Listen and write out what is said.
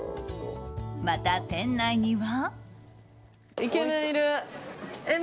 また、店内には。